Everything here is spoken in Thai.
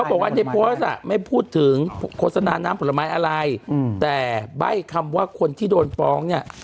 บอกว่าในโพสต์อ่ะไม่พูดถึงโฆษณาน้ำผลไม้อะไรแต่ใบ้คำว่าคนที่โดนฟ้องเนี่ย